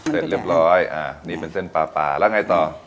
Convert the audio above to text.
เสร็จเรียบร้อยนี่เป็นเส้นปลาปลาแล้วไงต่อ